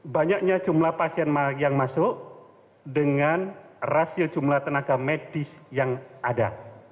banyaknya jumlah pasien yang masuk dengan rasio jumlah tenaga medis yang ada